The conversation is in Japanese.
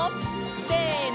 せの！